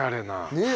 ねえ。